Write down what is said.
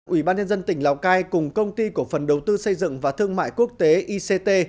ủy ban nhân dân tỉnh lào cai cùng công ty cổ phần đầu tư xây dựng và thương mại quốc tế ict